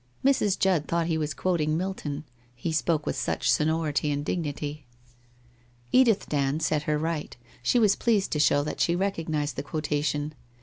Mrs. Judd thought he was quoting Mil ton, he spoke with such sonority and dignity. Edith Dand set her right. She was pleased to show that she recognized the quotation.